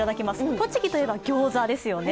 栃木といえばギョーザですよね。